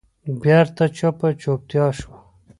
بېرته چوپه چوپتیا شوه.